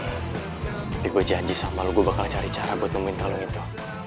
tapi gue janji sama lo gue bakal cari cara buat nemuin kalung itu